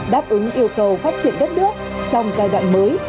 đáp ứng yêu cầu phát triển đất nước trong giai đoạn mới